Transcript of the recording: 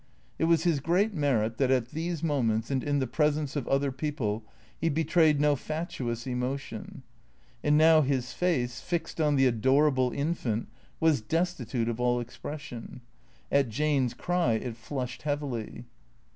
It was his great merit that at these moments, and in the presence of other people, he betrayed no fatuous emotion. And now his face, fixed on the adorable infant, was destitute of all expression. At Jane's cry it flushed heavily.